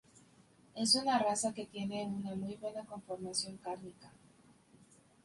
Es una raza que tiene una muy buena conformación cárnica.